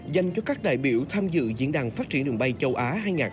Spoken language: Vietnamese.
dành cho các đại biểu tham dự diễn đàn phát triển đường bay châu á hai nghìn hai mươi bốn